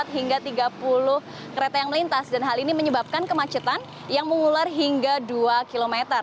empat hingga tiga puluh kereta yang melintas dan hal ini menyebabkan kemacetan yang mengular hingga dua km